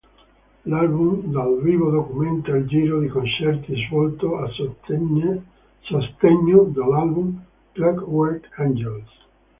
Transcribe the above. L'album dal vivo documenta il giro di concerti svolto a sostegno dell'album "Clockwork Angels".